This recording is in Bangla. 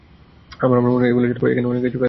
আমার মনে হয় এইগুলি ছাড়াও এখানে অনেক কিছু কাজ আছে।